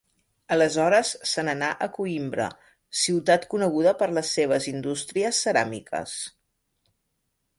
Aleshores se n'anà a Coïmbra, ciutat coneguda per les seves indústries ceràmiques.